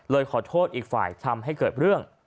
ขอโทษอีกฝ่ายทำให้เกิดเรื่อง